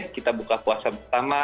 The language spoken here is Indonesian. kita buka puasa bersama